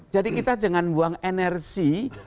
jadi kita jangan buang energi